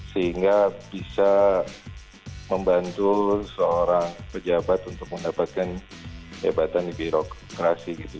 sehingga bisa membantu seorang pejabat untuk mendapatkan jabatan di birokrasi gitu